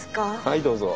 はいどうぞ。